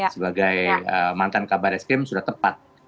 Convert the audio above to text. sebagai mantan kabar es krim sudah tepat